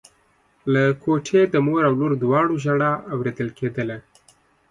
له کوټې د مور او لور دواړو ژړا اورېدل کېدله.